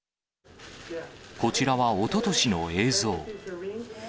こちらはおととしの映像。